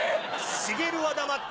茂は黙って。